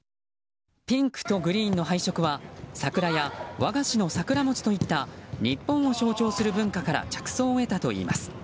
ピンクとグリーンの配色は桜や、和菓子の桜餅といった日本を象徴する文化から着想を得たといいます。